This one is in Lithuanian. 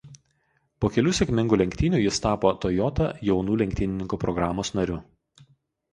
Po kelių sėkmingų lenktynių jis tapo Toyota jaunų lenktynininkų programos nariu.